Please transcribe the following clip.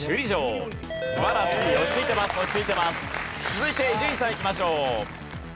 続いて伊集院さんいきましょう。